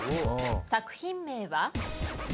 作品名は？